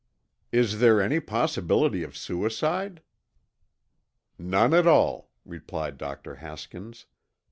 "Is there any possibility of suicide?" "None at all," replied Dr. Haskins.